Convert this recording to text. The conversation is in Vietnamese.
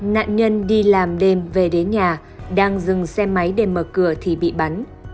nạn nhân đi làm đêm về đến nhà đang dừng xe máy để mở cửa thì bị bắn